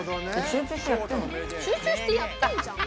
集中してやってんじゃん！